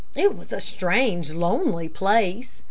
It was a strange, lonely place.